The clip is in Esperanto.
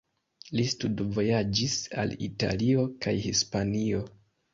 Li studvojaĝis al Italio kaj Hispanio.